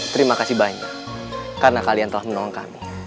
terima kasih banyak karena kalian telah menolong kami